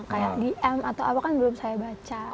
kayak dm atau apa kan belum saya baca